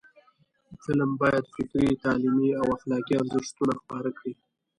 فلم باید فکري، تعلیمي او اخلاقی ارزښتونه خپاره کړي